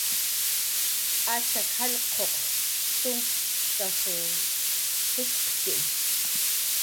Achak jallq'uq tumpachkasw jitxqki